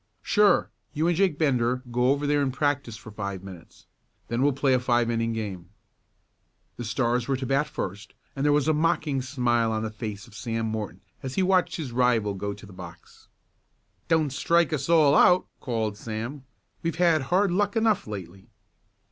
"Sure. You and Jake Bender go over there and practice for five minutes. Then we'll play a five inning game." The Stars were to bat first, and there was a mocking smile on the face of Sam Morton as he watched his rival go to the box. "Don't strike us all out," called Sam. "We've had hard luck enough lately."